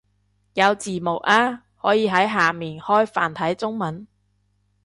有字幕啊，可以喺下面開繁體中文